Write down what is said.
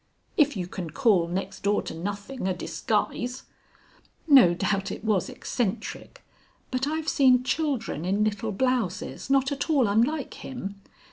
"If you can call next door to nothing a disguise." "No doubt it was eccentric. But I've seen children in little blouses, not at all unlike him.